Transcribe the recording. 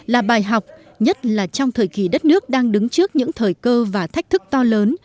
là bài học nhất là trong thời kỳ đất nước đang đứng trước những thời cơ và thách thức to lớn